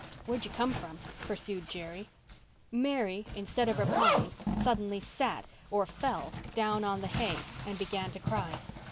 "Where'd you come from?" pursued Jerry. Mary, instead of replying, suddenly sat, or fell, down on the hay and began to cry.